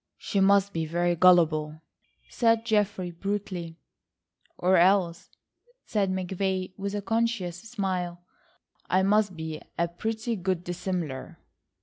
"She must be very gullable," said Geoffrey brutally. "Or else," said McVay with a conscious smile, "I must be a pretty good dissembler."